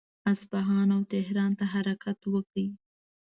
اصفهان او تهران ته حرکت وکړ.